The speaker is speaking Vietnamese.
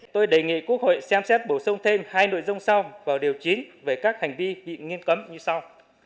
tôi đề nghị quốc hội xem xét bổ sung thêm hai nội dung sau vào điều chín về các hành vi bị nghiêm cấm như sau